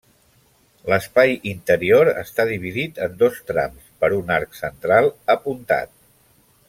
L'espai interior està dividit en dos trams per un arc central apuntat.